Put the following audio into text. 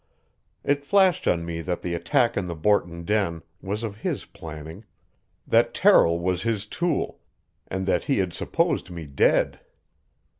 It flashed on me that the attack in the Borton den was of his planning, that Terrill was his tool, and that he had supposed me dead.